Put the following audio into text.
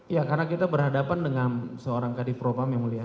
ya karena kita berhadapan dengan seorang kadif propam yang mulia